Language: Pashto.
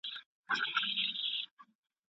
په افغانستان کې پښتانه ورته رانجه وايي.